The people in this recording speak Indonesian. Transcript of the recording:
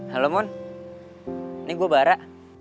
halo mun ini gua bara